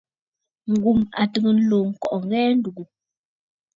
Ngum a tɨgə̀ ǹlo ŋkɔꞌɔ ŋghɛɛ a ndúgú.